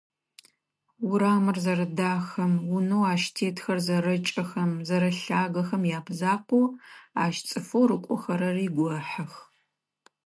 Урамыр зэрэдахэм, унэу ащ тетхэр зэрэкӏэхэм, зэрэлъагэхэм ямызакъоу, ащ цӏыфэу рыкӏохэрэри гохьых.